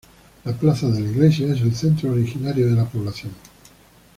La plaza de la iglesia es el centro originario de la población.